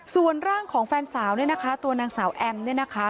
ส่วนร่างของแฟนสาวเนี่ยนะคะตัวนางสาวแอมเนี่ยนะคะ